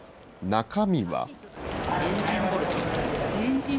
中身は。